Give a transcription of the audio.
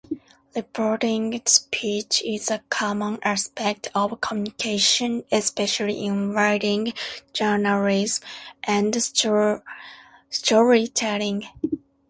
Reporting speech is a common aspect of communication, especially in writing, journalism, and storytelling.